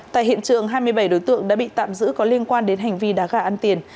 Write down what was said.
tại hiện trường hai mươi bảy đối tượng đã bị tạm giữ có liên quan đến hành vi đá gà ăn tiền